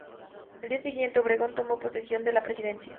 Al día siguiente, Obregón tomó posesión de la presidencia.